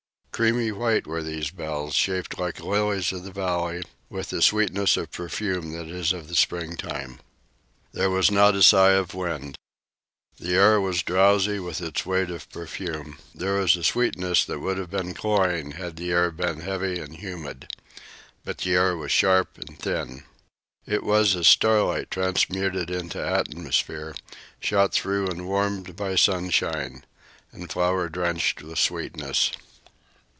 Creamy white were these bells, shaped like lilies of the valley, with the sweetness of perfume that is of the springtime. There was not a sigh of wind. The air was drowsy with its weight of perfume. It was a sweetness that would have been cloying had the air been heavy and humid. But the air was sharp and thin. It was as starlight transmuted into atmosphere, shot through and warmed by sunshine, and flower drenched with sweetness.